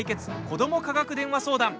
子ども科学電話相談」